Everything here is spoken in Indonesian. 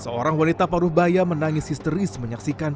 seorang wanita paruh bayam menangis sebagai asisten rumah tangga di toko ini